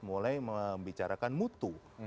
mulai membicarakan mutu